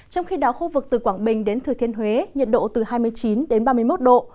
trong khi đó khu vực từ quảng bình đến thừa thiên huế nhiệt độ từ hai mươi chín đến ba mươi một độ